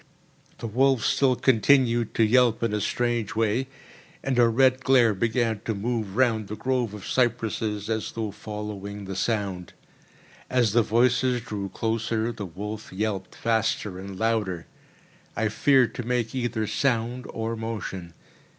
The wolf still continued to yelp in a strange way, and a red glare began to move round the grove of cypresses, as though following the sound. As the voices drew closer, the wolf yelped faster and louder. I feared to make either sound or motion.